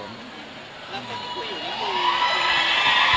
แล้วคุยอยู่แล้วมั้ย